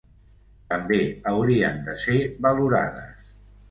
També haurien de ser valorades.